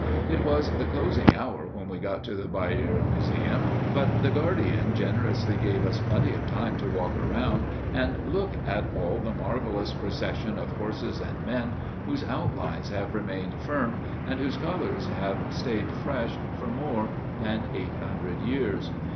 It was the closing hour when we got to the Bayeux museum, but the guardian generously gave us plenty of time to walk around and look at all the marvelous procession of horses and men, whose outlines have remained firm and whose colors have stayed fresh for more than eight hundred years.